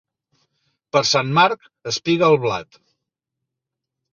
Per Sant Marc espiga el blat.